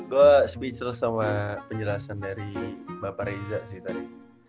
gue speechles sama penjelasan dari bapak reza sih tadi